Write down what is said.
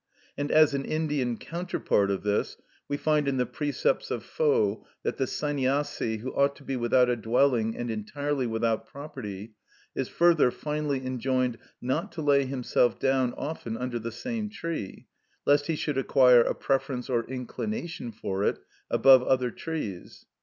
And as an Indian counterpart of this, we find in the precepts of Fo that the Saniassi, who ought to be without a dwelling and entirely without property, is further finally enjoined not to lay himself down often under the same tree, lest he should acquire a preference or inclination for it above other trees.